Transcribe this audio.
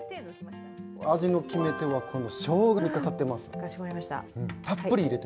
味の決め手はしょうがにかかってます。